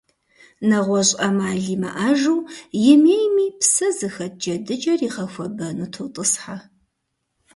НэгъуэщӀ Ӏэмал имыӀэжу, имейми, псэ зыхэт джэдыкӀэр игъэхуэбэну тотӀысхьэ.